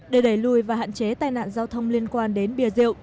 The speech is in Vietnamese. để đẩy lùi và hạn chế tai nạn giao thông liên quan đến bia rượu